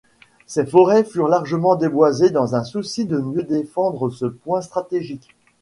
Ses forêts furent largement déboisées dans un souci de mieux défendre ce point stratégique.